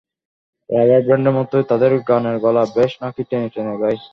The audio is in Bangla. রাবার ব্যান্ডের মতোই তাদের গানের গলা, বেশ নাকি টেনে টেনে গায়।